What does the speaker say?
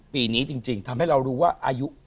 ปีนี้จริงทำให้เรารู้ว่าอายุ